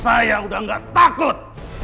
saya sudah tidak takut